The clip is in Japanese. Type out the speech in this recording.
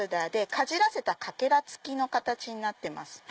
かじらせたかけら付きの形になってます。